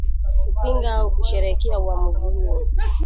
kupinga au kusherehekea uwamuzi huo